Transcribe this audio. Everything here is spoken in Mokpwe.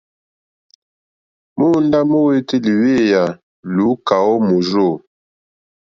Móǒndá mówǒtélì wéèyé lùúkà ó mòrzô.